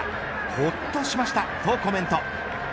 ほっとしました、とコメント。